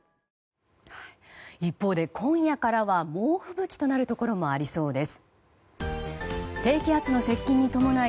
一方で今夜からは猛吹雪となるところもありそうです。